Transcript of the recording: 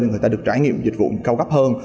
người ta được trải nghiệm dịch vụ cao gấp hơn